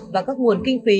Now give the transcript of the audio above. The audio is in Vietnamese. và các nguồn kinh phí